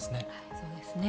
そうですね。